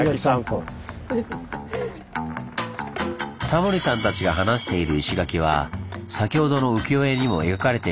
タモリさんたちが話している石垣は先ほどの浮世絵にも描かれています。